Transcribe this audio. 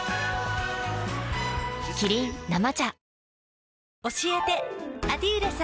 キリン「生茶」